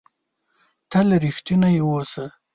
تل ریښتونی اووسه!